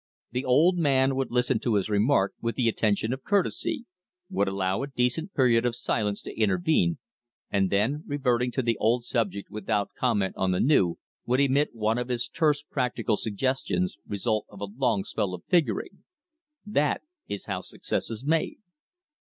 The old man would listen to his remark with the attention of courtesy; would allow a decent period of silence to intervene; and then, reverting to the old subject without comment on the new, would emit one of his terse practical suggestions, result of a long spell of figuring. That is how success is made.